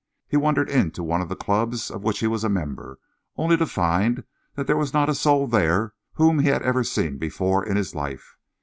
He wandered into one of the clubs of which he was a member, only to find there was not a soul there whom he had ever seen before in his life.